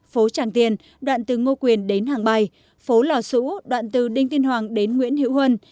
phố tràng tiền đoạn từ ngô quyền đến hàng bài phố lò sũ đoạn từ đinh tiên hoàng đến nguyễn hữu huân